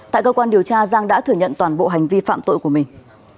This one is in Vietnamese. tại công an điều tra giang đã thừa nhận toàn bộ hành vi phạm tội của mình